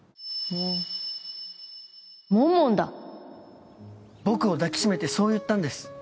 モモンモンだ僕を抱き締めてそう言ったんです。